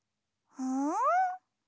うん！